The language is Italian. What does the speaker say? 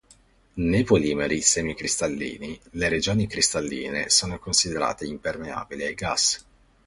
Nei polimeri semi cristallini, le regioni cristalline sono considerate impermeabili ai gas.